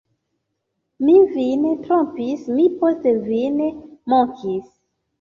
Mi vin trompis, mi poste vin mokis!